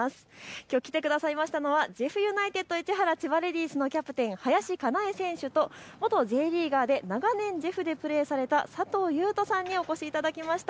きょう来てくださいましたのはジェフユナイテッド市原・千葉レディースのキャプテン、林香奈絵選手と元Ｊリーガーで長年、ジェフでプレーされた佐藤勇人さんにお越しいただきました。